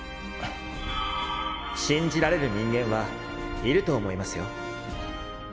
信じられる人間はいると思いますよ。